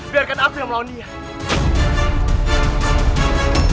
biar kata aku yang melalui ini